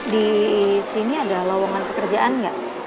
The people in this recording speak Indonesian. di sini ada lowongan pekerjaan nggak